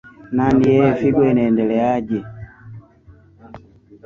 nani ee figo inaendeleaje